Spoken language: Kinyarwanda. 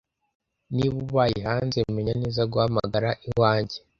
Niba ubaye hanze, menya neza guhamagara iwanjye.